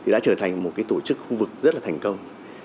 đã trở thành một tổ chức khu vực rất là thành công